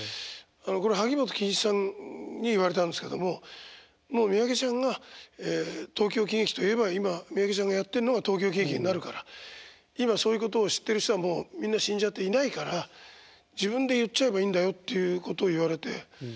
萩本欽一さんに言われたんですけどももう三宅ちゃんが東京喜劇と言えば今三宅ちゃんがやってんのが東京喜劇になるから今そういうことを知ってる人はもうみんな死んじゃっていないから自分で言っちゃえばいいんだよっていうことを言われて。